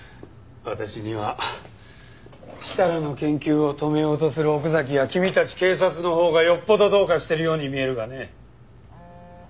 私には設楽の研究を止めようとする奥崎や君たち警察のほうがよっぽどどうかしてるように見えるがね。